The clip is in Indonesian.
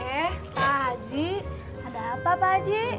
eh pak ji ada apa pak ji